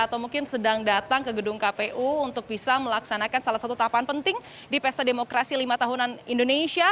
atau mungkin sedang datang ke gedung kpu untuk bisa melaksanakan salah satu tahapan penting di pesta demokrasi lima tahunan indonesia